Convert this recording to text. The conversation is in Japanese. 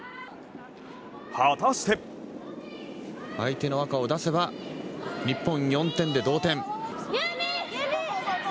果たして相手の赤を出せば日本、４点で同点。